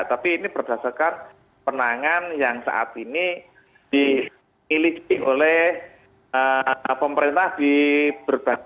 tapi ini berdasarkan penangan yang saat ini dimiliki oleh pemerintah di berbagai